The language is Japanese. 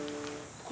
これ？